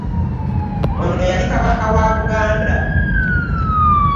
Ono yali Kabaka wa Buganda .